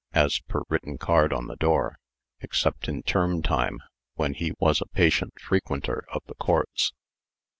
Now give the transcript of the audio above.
(as per written card on the door), except in term time, when he was a patient frequenter of the courts.